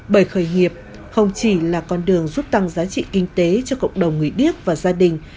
bởi khởi nghiệp không chỉ là con đường giúp tăng giá trị kinh tế cho cộng đồng người điếc và gia đình